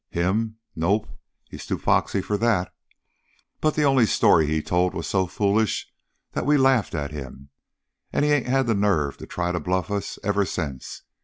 "Him? Nope, he's too foxy for that. But the only story he told was so foolish that we laughed at him, and he ain't had the nerve to try to bluff us ever since.